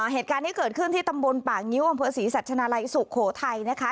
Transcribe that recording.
เหตุการณ์นี้เกิดขึ้นที่ตำบลป่างิ้วอำเภอศรีสัชนาลัยสุโขทัยนะคะ